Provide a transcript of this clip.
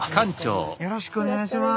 よろしくお願いします。